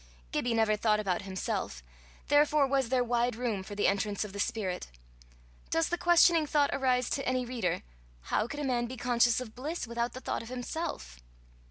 Gibbie never thought about himself, therefore was there wide room for the entrance of the spirit. Does the questioning thought arise to my reader: How could a man be conscious of bliss without the thought of himself?